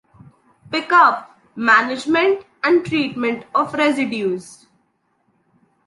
Pick up, management and treatment of residues.